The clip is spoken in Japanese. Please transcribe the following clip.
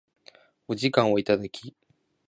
お時間をいただき